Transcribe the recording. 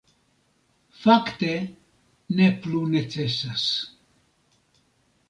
Fakte, ne plu necesas.